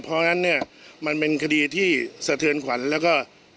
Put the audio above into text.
เพราะฉะนั้นเนี่ยมันเป็นคดีที่สะเทือนขวัญแล้วก็